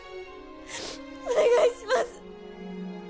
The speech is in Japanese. お願いします！